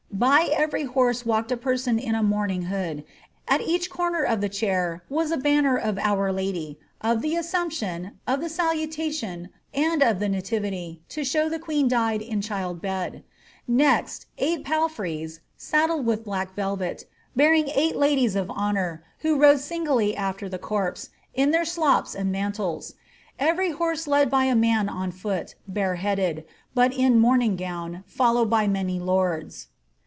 By every horse walked a person in a mourning hood, at each corner of the chair was a banner of our Lady, of the A^ sumption, of the Salutation, and of the Nativity, to show the queen died in child bed ; next, eight palfreys, saddled with black velvet, bearing eight ladies of honour, who rode singly after the corpse, in their slops and mantles ; every horse led by a man on foot, bare headed, but in a mourning gown, followed by many lords.